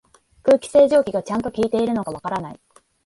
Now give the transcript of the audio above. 空気清浄機がちゃんと効いてるのかわからない